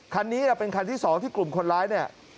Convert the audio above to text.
คันนี้เป็นคันที่๒ที่กลุ่มคนร้ายเนี่ย